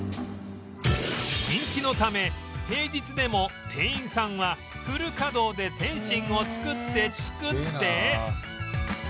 人気のため平日でも店員さんはフル稼働で点心を作って作って